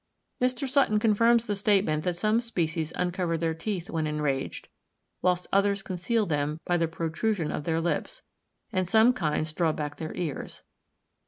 Mr. Sutton confirms the statement that some species uncover their teeth when enraged, whilst others conceal them by the protrusion of their lips; and some kinds draw back their ears.